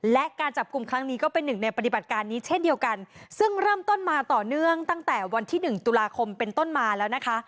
และการจับกลุ่มครั้งนี้ก็เป็นหนึ่งในปฏิบัติการนี้เช่นเดียวกันซึ่งเริ่มต้นมาต่อเนื่องตั้งแต่วันที่หนึ่งตุลาคมเป็นต้นมาแล้วนะคะ